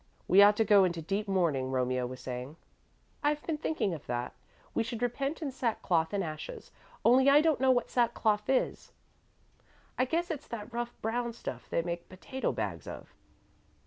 "We ought to go into deep mourning," Romeo was saying. "I've been thinking of that. We should repent in sackcloth and ashes, only I don't know what sackcloth is." "I guess it's that rough brown stuff they make potato bags of."